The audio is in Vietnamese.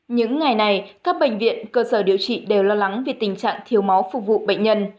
những ngày này các bệnh viện cơ sở điều trị đều lo lắng vì tình trạng thiếu máu phục vụ bệnh nhân